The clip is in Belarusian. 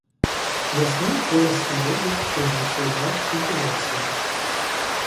Вясной поле скародзяць і ажыццяўляюць культывацыю.